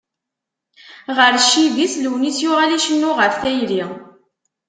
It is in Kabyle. Ɣer ccib-is, Lunis yuɣal icennu ɣef tayri.